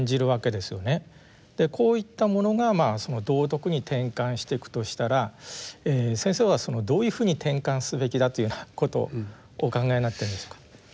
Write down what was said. こういったものが道徳に転換していくとしたら先生はどういうふうに転換すべきだというようなことをお考えになってるんでしょうか。